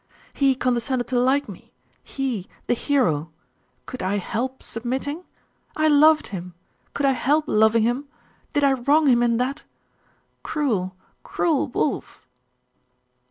He condescended to like me he the hero! Could I help submitting? I loved him: could I help loving him? Did I wrong him in that? Cruel, cruel Wulf!....